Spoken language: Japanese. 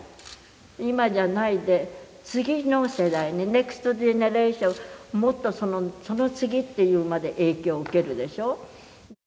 今じゃない、次の世代、ネクストジェネレーション、もっとその次っていうまで影響を受けるでしょう。